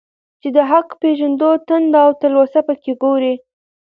چي د حق پېژندو تنده او تلوسه په كي گورې.